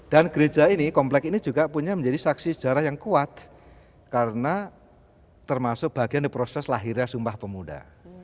dan gereja ini komplek ini juga punya menjadi saksi sejarah yang kuat karena termasuk bagian proses lahirnya sumpah pemuda